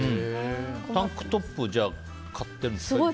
タンクトップ買ってるんですか？